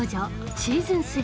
シーズン３。